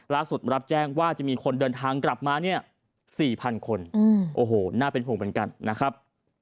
รับแจ้งว่าจะมีคนเดินทางกลับมาเนี่ย๔๐๐คนโอ้โหน่าเป็นห่วงเหมือนกันนะครับ